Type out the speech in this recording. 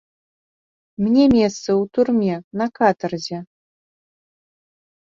Мне месца ў турме, на катарзе.